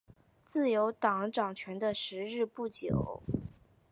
自由党掌权的时日不久。